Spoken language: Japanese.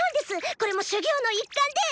これも修業の一環で。